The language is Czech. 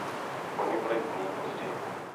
O několik dní později.